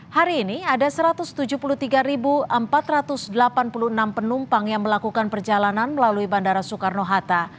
hari ini ada satu ratus tujuh puluh tiga empat ratus delapan puluh enam penumpang yang melakukan perjalanan melalui bandara soekarno hatta